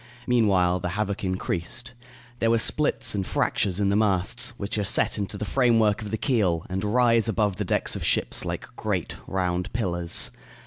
Meanwhile, the havoc increased. There were splits and fractures in the masts, which are set into the framework of the keel and rise above the decks of ships like great, round pillars.